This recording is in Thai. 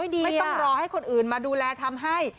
ไม่ต้องรอให้คนอื่นมาดูแลทำให้